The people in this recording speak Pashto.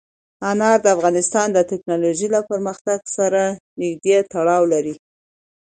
انار د افغانستان د تکنالوژۍ له پرمختګ سره نږدې تړاو لري.